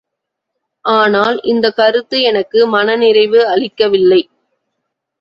ஆனால் இந்தக் கருத்து எனக்கு மனநிறைவு அளிக்கவில்லை.